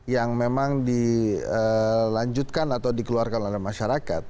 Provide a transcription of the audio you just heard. yang memang dilanjutkan atau dikeluarkan oleh masyarakat